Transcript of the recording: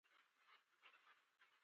هغه ځای چې واوره لري ، هغه ډېري اوبه لري